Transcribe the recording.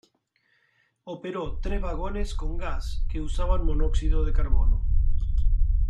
Operó tres vagones con gas que usaban monóxido de carbono.